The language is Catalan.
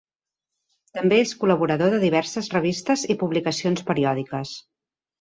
També és col·laborador de diverses revistes i publicacions periòdiques.